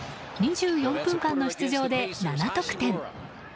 ２４分間の出場で７得点。